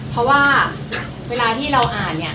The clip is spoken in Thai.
เพราะว่าเวลาที่เราอ่านเนี่ย